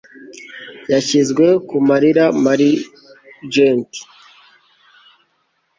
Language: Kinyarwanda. Yashyizwe ku marira margent